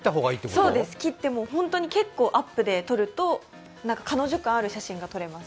そうです、切って本当にアップで撮ると、彼女感がある写真が撮れます。